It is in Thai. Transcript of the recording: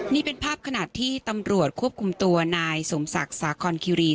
นี่เป็นภาพขณะที่ตำรวจควบคุมตัวนายสมศักดิ์สาคอนคิรี